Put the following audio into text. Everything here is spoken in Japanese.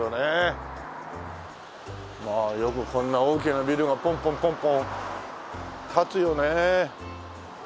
まあよくこんな大きなビルがポンポンポンポン建つよね。